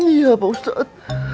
iya pak ustad